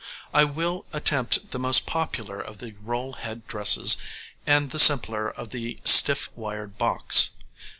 }] I will attempt the most popular of the roll head dresses and the simpler of the stiff wired box.